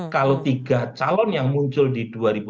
kalau tiga calon yang muncul di dua ribu dua puluh